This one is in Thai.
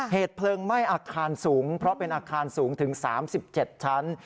เหตุเพลิงไหม้อาคารสูงเพราะเป็นอาคารสูงถึง๓๗ชั้น